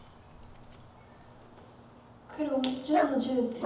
黒１０の十ツギ。